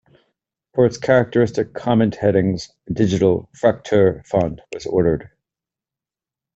For its characteristic comment headings, a digital "Fraktur" font was ordered.